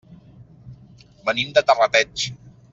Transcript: Venim de Terrateig.